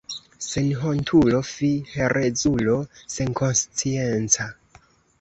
Senhontulo, fi, herezulo senkonscienca!